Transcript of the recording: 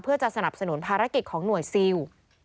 เพื่อจะสนับสนุนภารกิจของหน่วยซิล